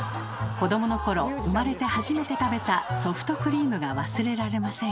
子供の頃生まれて初めて食べたソフトクリームが忘れられません。